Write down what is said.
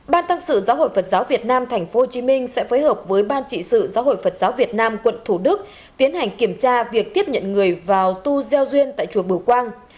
ban tăng sự giáo hội phật giáo việt nam tp hcm sẽ phối hợp với ban trị sự giáo hội phật giáo việt nam quận thủ đức tiến hành kiểm tra việc tiếp nhận người vào tu gieo duyên tại chùa bửu quang